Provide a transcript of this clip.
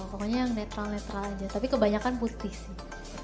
pokoknya yang netral netral aja tapi kebanyakan putih sih